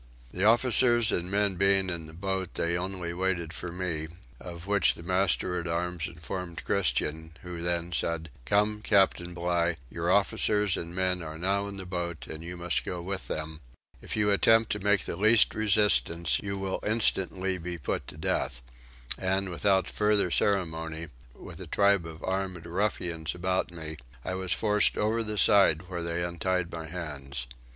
The officers and men being in the boat they only waited for me, of which the master at arms informed Christian, who then said: "Come, captain Bligh, your officers and men are now in the boat and you must go with them; if you attempt to make the least resistance you will instantly be put to death" and, without further ceremony, with a tribe of armed ruffians about me, I was forced over the side where they untied my hands.